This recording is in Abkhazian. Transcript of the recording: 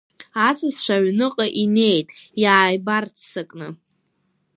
Асасцәа аҩныҟа инеит иааибарццакны.